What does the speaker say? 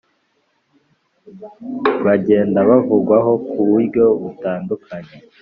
bagenda bavugwaho ku buryo butandukanye.